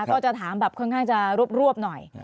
ก็จะถามแบบค่อนข้างจะรวบหน่อย